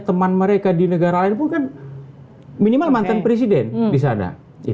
teman mereka di negara lain pun kan minimal mantan presiden di sana